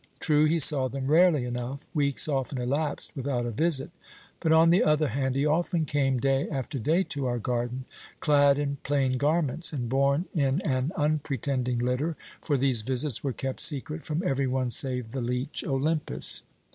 True, he saw them rarely enough; weeks often elapsed without a visit; but, on the other hand, he often came day after day to our garden, clad in plain garments, and borne in an unpretending litter, for these visits were kept secret from every one save the leech Olympus.